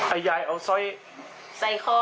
ไอ้ยายเอาสอยใสก้อไปกัน